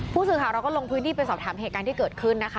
ผู้สื่อข่าวเราก็ลงพื้นที่ไปสอบถามเหตุการณ์ที่เกิดขึ้นนะคะ